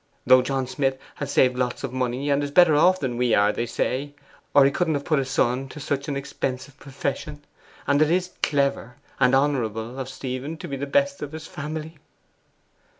Though John Smith has saved lots of money, and is better off than we are, they say, or he couldn't have put his son to such an expensive profession. And it is clever and honourable of Stephen, to be the best of his family.